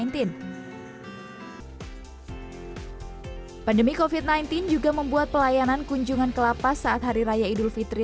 di pandemi covid sembilan belas juga membuat pelayanan kunjungan kelapa saat hari raya idulfitri